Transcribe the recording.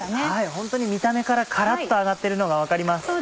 ホントに見た目からカラっと揚がってるのが分かります。